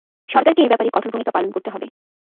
সরকারকে এ ব্যাপারে কঠোর ভূমিকা পালন করতে হবে।